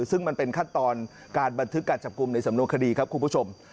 ซึ่งมันเป็นขั้นตอนการบันทึกการจับกลุ่มในสำนวนคดีครับคุณผู้ชม